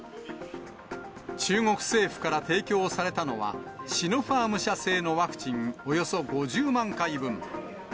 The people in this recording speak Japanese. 中国政府から提供されたのは、シノファーム社製のワクチンおよそ５０万回分。